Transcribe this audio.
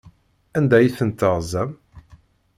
Anda ay tent-teɣzam?